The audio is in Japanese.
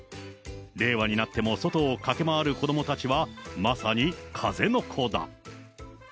令和になっても外を駆け回る子どもたちは、まさに風の子だ。